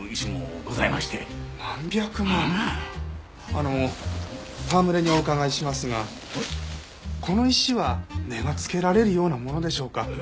あの戯れにお伺いしますがこの石は値がつけられるようなものでしょうか？